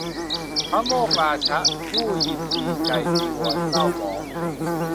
พระโมฆราชะ ผู้ยินดีใจจีวรเศร้าหมอง